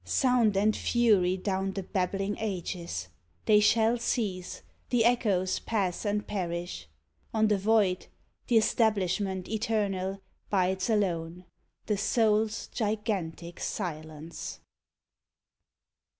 Sound and fury down the babbling ages, They shall cease, the echoes pass and perish ; On the void the 'stablishment eternal Bides alone the Soul's gigantic silence.